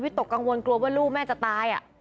ตกกังวลกลัวว่าลูกแม่จะตาย